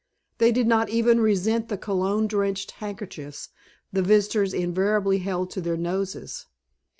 They did not even resent the cologne drenched handkerchiefs the visitors invariably held to their noses.